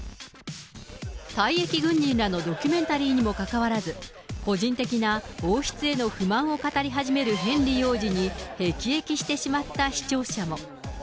退役軍人らのドキュメンタリーにもかかわらず、個人的な王室への不満を語り始めるヘンリー王子に、へきえきしてしまった視聴者も。